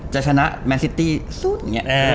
จะชนะแมนซิตี้สู้ทอยงี้